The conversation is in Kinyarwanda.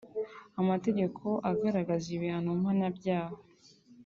amategeko agaragaza ibihano mpanabyaha